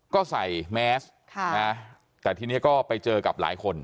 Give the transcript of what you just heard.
ก็ใส่แมสแต่ทีนี้ก็ไปเจอกับหลายคน